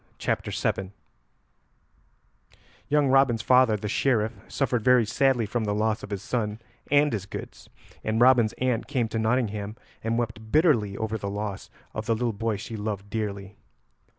CHAPTER VII Young Robin's father, the Sheriff, suffered very sadly from the loss of his son and his goods, and Robin's aunt came to Nottingham and wept bitterly over the loss of the little boy she loved dearly.